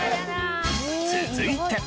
続いて。